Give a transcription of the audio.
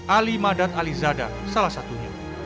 ali madat alizada salah satunya